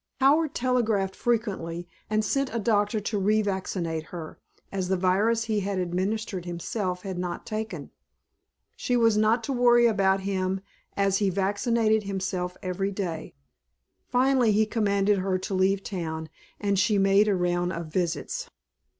Howard telegraphed frequently and sent a doctor to revaccinate her, as the virus he had administered himself had not taken. She was not to worry about him as he vaccinated himself every day. Finally he commanded her to leave town, and she made a round of visits.